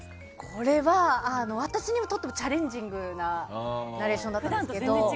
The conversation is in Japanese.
これは私にとってもチャレンジングなナレーションだったんですけど。